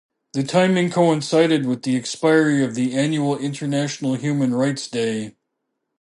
The timing coincided with the expiry of the annual International Human Rights Day.